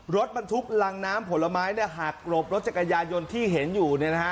รถบรรทุกรังน้ำผลไม้หักหลบรถจักรยานยนต์ที่เห็นอยู่